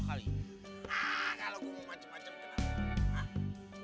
nah kalau gue mau macem macem kenapa